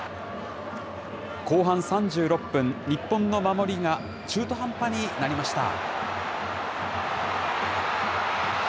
後半３６分、日本の守りが中途半端になりました。